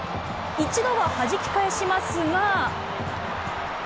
一度ははじき返しますが。